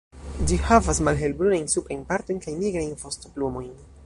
Ĝi havas malhelbrunajn suprajn partojn kaj nigrajn vostoplumojn.